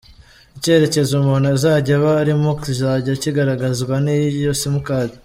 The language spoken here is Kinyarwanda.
Icyerekezo umuntu azajya aba arimo kizajya kigaragazwa n’iyo simcard.